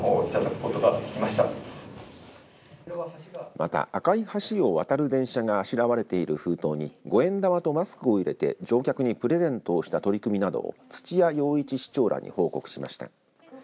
また、赤い橋を渡る電車があしらわれている封筒に５円玉とマスクを入れて乗客にプレゼントをした取り組みなどを土屋陽一市長らに報告しました。